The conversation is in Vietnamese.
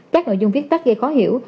các nội dung viết tắt gây khó hiểu